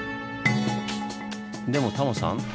でもタモさん